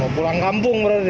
mau pulang kampung berarti